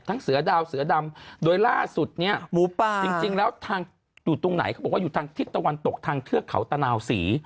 เสือดาวเสือดำโดยล่าสุดเนี่ยหมูป่าจริงแล้วทางอยู่ตรงไหนเขาบอกว่าอยู่ทางทิศตะวันตกทางเทือกเขาตะนาวศรี